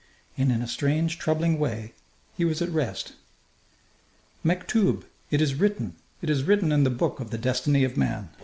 And in a strange, troubling way he was at rest. "Mektoub! It is written! It is written in the book of the destiny of man!"